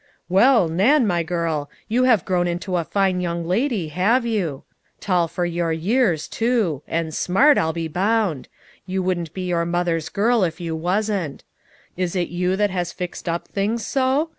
" Well, Nan, my girl, you have grown into a fine young lady, have you ? Tall for your years, too. And smart, I'll bo bound ; you wouldn't be your mother's girl if you wasn't. Is it you that has fixed up things so